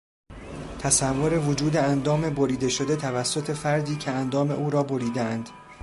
تصور وجود اندام بریده شده توسط فردی که اندام او را بریدهاند